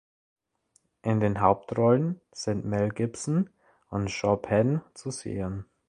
In den Hauptrollen sind Mel Gibson und Sean Penn zu sehen.